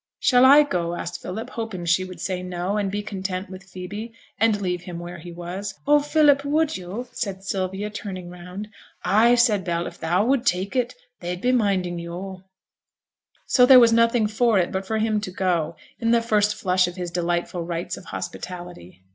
'Shall I go?' asked Philip, hoping she would say 'no', and be content with Phoebe, and leave him where he was. 'Oh, Philip, would yo'?' said Sylvia, turning round. 'Ay,' said Bell, 'if thou would take it they'd be minding yo'.' So there was nothing for it but for him to go, in the first flush of his delightful rites of hospitality.